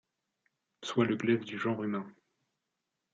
Soit le glaive du genre humain ;